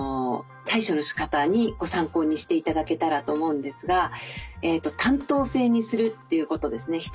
対処のしかたにご参考にして頂けたらと思うんですが担当制にするということですね